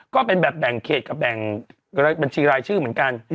ก็เป็นแบบแบ่งเขตกับแบ่งบัญชีรายชื่อเหมือนกัน